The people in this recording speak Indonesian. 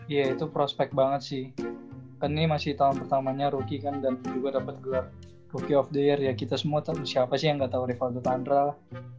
ya itu prospek banget sih kan ini masih tahun pertamanya rookie kan dan juga dapat gelar rookie of the year ya kita semua tahu siapa sih yang gak tau rival the tandral